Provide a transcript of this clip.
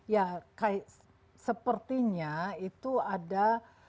ya sepertinya itu ada